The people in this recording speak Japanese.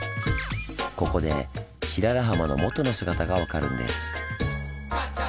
ここで白良浜の元の姿が分かるんです。